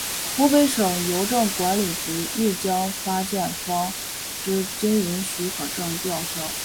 湖北省邮政管理局亦将发件方之经营许可证吊销。